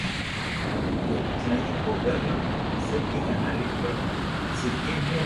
He is the only public sector executive to simultaneously hold these three positions.